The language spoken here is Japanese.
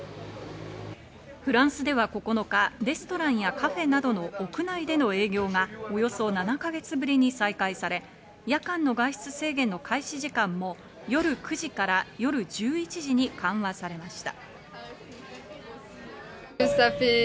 フランスでは９日、レストランやカフェなどの屋内での営業がおよそ７か月ぶりに再開され、夜間の外出制限の開始時間も夜９時から夜１１時に緩和されました。